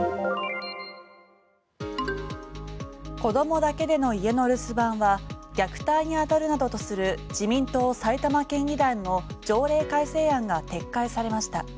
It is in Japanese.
子供だけでの家の留守番は虐待にあたるなどとする自民党埼玉県議団の条例改正案が撤回されました。